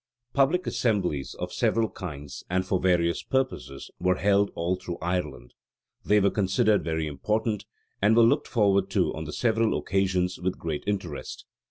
Public assemblies of several kinds and for various purposes were held all through Ireland; they were considered very important, and were looked forward to on the several occasions with great interest.